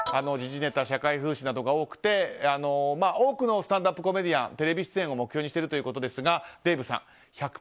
時事ネタ、社会風刺などが多くて多くのスタンダップコメディアンテレビ出演を目標にしているということですがデーブさん、１００％